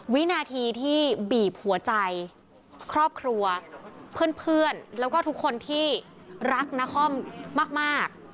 วินาทีที่บีบหัวใจครอบครัวเพื่อนแล้วก็ทุกคนที่รักนครมาก